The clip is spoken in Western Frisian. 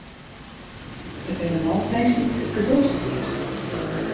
Der binne no ek minsken dy't it geduld ferlieze.